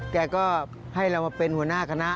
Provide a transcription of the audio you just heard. แกก็ให้เรามาเป็นหัวหน้าคณะ